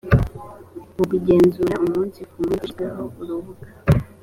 mu kugenzura umunsi ku munsi hashyizweho urubuga